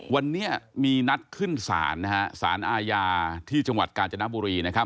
วันนี้มีนัทขึ้นศาลศาลอาญาที่กาญจนบุรี